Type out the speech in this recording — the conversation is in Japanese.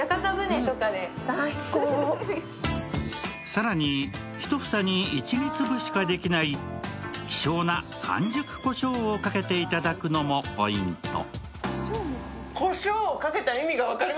更に、１房に１２粒しかできない希少な完熟こしょうをかけて頂くのもポイント。